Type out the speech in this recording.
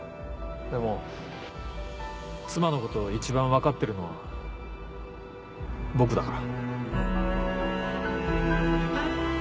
でも妻のことを一番分かってるのは僕だから。